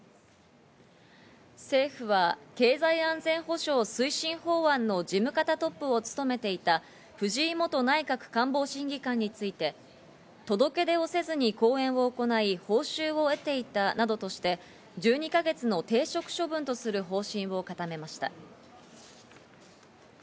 政府は経済安全保障推進法案の事務方トップを務めていた藤井元内閣官房審議官について、届け出をせずに講演を行い、報酬を得ていたなどとして、１２か月の停職処分とする方針を固めました。